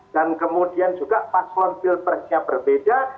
dan kemudian juga paslon pilpresnya berbeda